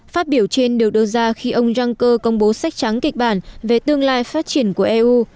phát biểu trên được đưa ra khi ông juncker công bố sách trắng kịch bản về tương lai phát triển của eu